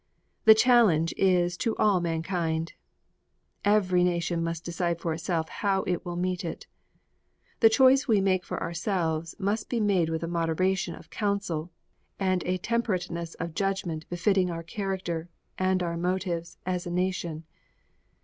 The challenge is to all mankind. Each nation must decide for itself how it will meet it. The choice we make for ourselves must be made with a moderation of counsel and a temperateness of judgment befitting our character and our motives as a nation.